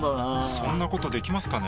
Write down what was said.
そんなことできますかね？